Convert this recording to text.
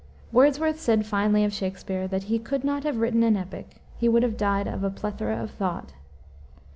Wordsworth said finely of Shakspere, that he "could not have written an epic: he would have died of a plethora of thought."